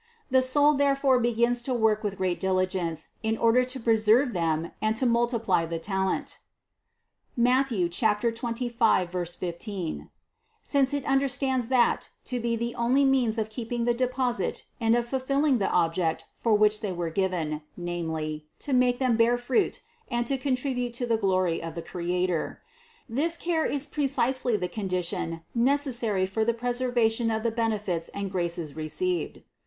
The soul therefore begins to work with great diligence in or der to preserve them and to multiply the talent (Matth. 25, 15), since it understands that to be the only means of keeping the deposit and of fulfilling the object for which they were given, namely, to make them bear fruit and to contribute to the glory of the Creator. This care is precisely the condition necessary for the preser vation of the benefits and graces received.